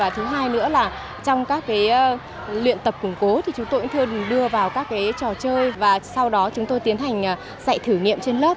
thứ hai nữa là trong các luyện tập củng cố thì chúng tôi cũng thường đưa vào các trò chơi và sau đó chúng tôi tiến hành dạy thử nghiệm trên lớp